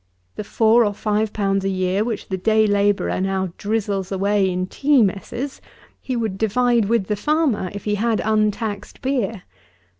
The four or five pounds a year which the day labourer now drizzles away in tea messes, he would divide with the farmer, if he had untaxed beer.